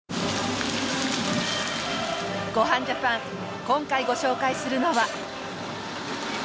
『ごはんジャパン』今回ご紹介するのは。